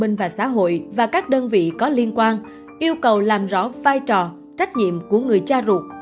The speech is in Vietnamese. minh và xã hội và các đơn vị có liên quan yêu cầu làm rõ vai trò trách nhiệm của người cha ruột